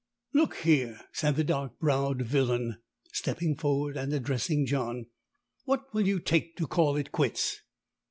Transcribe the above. "Look here," said the dark browed villain, stepping forward and addressing John; "what will you take to call it quits?"